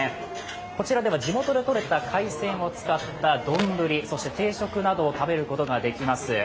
こちらでは地元でとれた海鮮を使った丼、そして定食などを食べることができます。